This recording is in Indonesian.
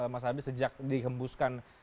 mas adli sejak dihembuskan